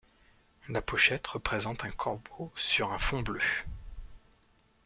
La pochette représente un corbeau sur un fond bleu.